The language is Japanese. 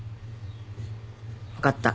分かった。